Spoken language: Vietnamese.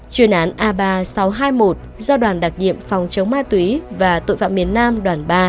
chuyên án a ba sáu trăm hai mươi một do đoàn đặc nhiệm phòng chống ma túy và tội phạm miền nam đoàn ba